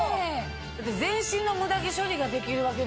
だって全身のムダ毛処理ができるわけですからね。